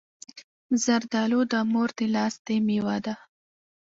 زردالو د مور د لاستی مېوه ده.